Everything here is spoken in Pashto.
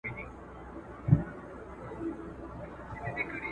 پلار